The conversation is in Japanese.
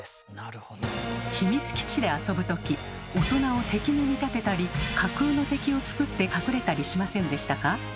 秘密基地で遊ぶ時大人を敵に見立てたり架空の敵をつくって隠れたりしませんでしたか？